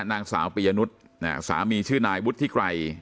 นางสาวปียนุษย์สามีชื่อนายวุฒิไกร